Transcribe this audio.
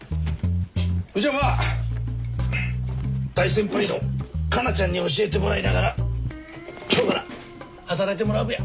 そいじゃまあ大先輩の加奈ちゃんに教えてもらいながら今日から働いてもらうべや。